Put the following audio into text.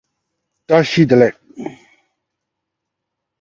He also served as musical director of Vienna Radio about this time.